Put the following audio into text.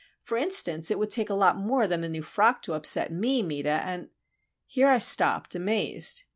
For instance, it would take a lot more than a new frock to upset me, Meta, and——" Here I stopped, amazed.